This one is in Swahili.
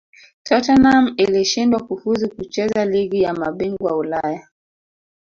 tottenham ilishindwa kufuzu kucheza ligi ya mabingwa ulaya